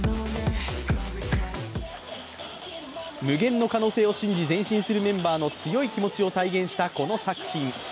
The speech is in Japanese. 無限の可能性を信じ前進するメンバーの強い気持ちを体現したこの作品。